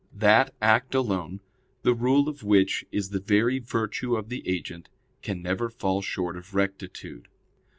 That act alone, the rule of which is the very virtue of the agent, can never fall short of rectitude.